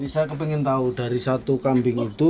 saya ingin tahu dari satu kambing itu